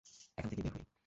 এখান থেকে বের হই।